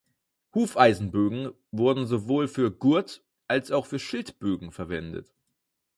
Hufeisenbögen wurden sowohl für Gurt- als auch für Schildbögen verwendet.